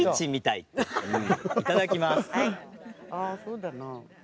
いただきます。